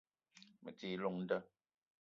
Me ti i llong nda